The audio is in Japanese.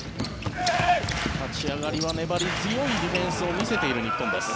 立ち上がりは粘り強いディフェンスを見せている日本です。